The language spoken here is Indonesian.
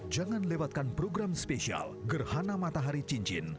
jangan lewatkan program spesial gerhana matahari cincin